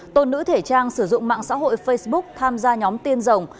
tôn nữ thể trang sử dụng mạng xã hội facebook tham gia nhóm tiên rồng